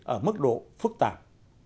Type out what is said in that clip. ở mức độ phức tạp